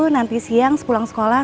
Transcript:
nanti siang pulang sekolah